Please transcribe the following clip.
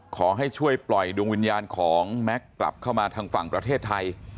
ขอให้ช่วยปล่อยดวงวิญญาณของแม็กซ์กลับเข้ามาทางฝั่งประเทศไทย